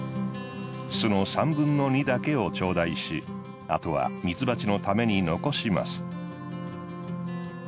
巣の３分の２だけをちょうだいしあとはミツバチのために残します。